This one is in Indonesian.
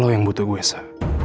lo yang butuh gue sa